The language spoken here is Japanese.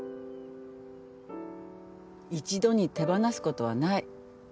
一度に手放すことはない。